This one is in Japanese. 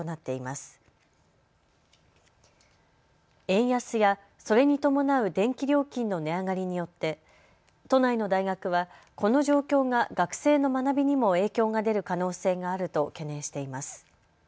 円安やそれに伴う電気料金の値上がりによって都内の大学はこの状況が学生の学びにも影響が出る可能性があると懸念しています。